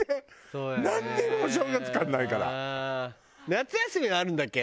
夏休みはあるんだっけ？